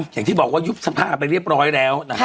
อย่างที่บอกว่ายุบสภาไปเรียบร้อยแล้วนะครับ